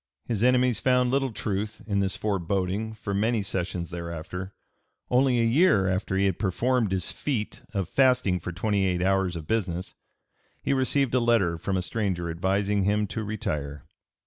His enemies found little truth in this foreboding for many sessions thereafter. Only a year after he had performed his feat of fasting for twenty eight hours of business, he received a letter from a stranger advising him to retire.